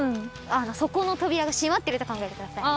そこの扉が閉まってると考えてください。